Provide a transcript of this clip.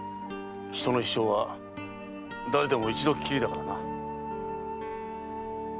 人の一生は誰でも一度きりだからな。